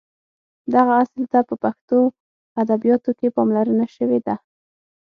دغه اصل ته په پښتو ادبیاتو کې پاملرنه شوې ده.